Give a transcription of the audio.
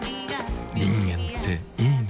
人間っていいナ。